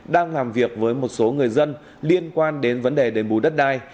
đang làm việc với một số người dân liên quan đến vấn đề đền bù đất đai